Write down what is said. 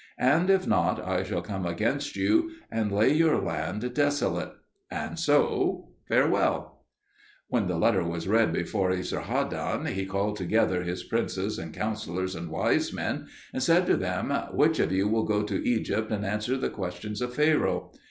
And if not, I shall come against you and lay your land desolate. And so farewell." When the letter was read before Esarhaddon, he called together his princes and counsellors and wise men, and said to them, "Which of you will go to Egypt and answer the questions of Pharaoh?"